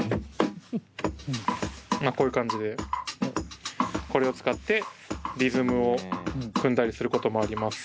まあこういう感じでこれを使ってリズムを踏んだりすることもあります。